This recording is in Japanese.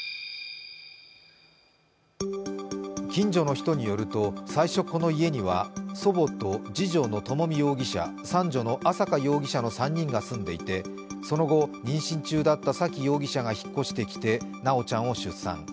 近所の人によると、最初この家には祖母と次女の朝美容疑者、三女の朝華容疑者の３人が住んでいて、その後、妊娠中だった沙喜容疑者が引っ越してきて修ちゃんを出産。